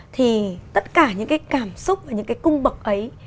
thì tất cả những cái cảm xúc và những cái cung bậc ấy